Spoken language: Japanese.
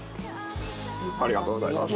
ありがとうございます。